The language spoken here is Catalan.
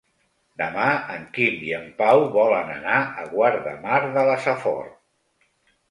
Demà en Quim i en Pau volen anar a Guardamar de la Safor.